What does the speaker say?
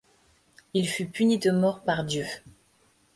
Il fut puni de mort par Dieu.